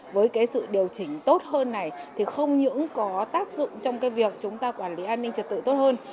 với sự điều chỉnh tốt hơn này thì không những có tác dụng trong cái việc chúng ta quản lý an ninh trật tự tốt hơn